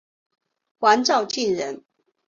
黄兆晋人。